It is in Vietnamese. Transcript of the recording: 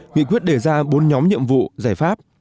nghị quyết đề ra bốn nhóm nhiệm vụ giải pháp